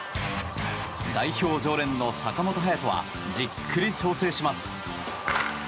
代表常連の坂本勇人はじっくり調整します。